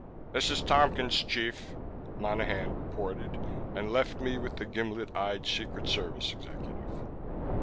"This is Tompkins, Chief," Monaghan reported and left me with the gimlet eyed Secret Service executive.